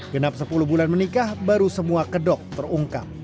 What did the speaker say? genap sepuluh bulan menikah baru semua kedok terungkap